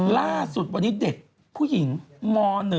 ล่าสุดวันนี้เด็กผู้หญิงม๑